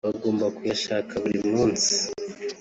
bagomba kuyashaka buri munsi